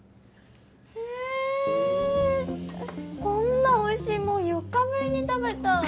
こんなおいしいもん４日ぶりに食べた。